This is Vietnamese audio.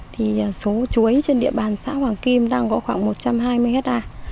thì số chuối trên địa bàn xã hoàng kim đang có khoảng một trăm hai mươi hectare